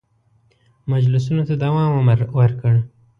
مجلسونو ته دوام ورکړ.